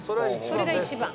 それが一番。